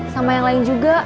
sama yang lain juga